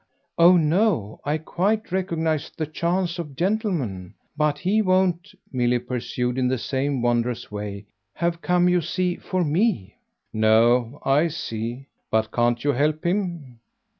"Oh no; I quite recognise the chance of gentlemen. But he won't," Milly pursued in the same wondrous way, "have come, you see, for ME." "No I see. But can't you help him?"